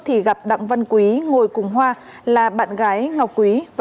thì gặp đặng văn quý ngồi cùng hoa là bạn gái ngọc quý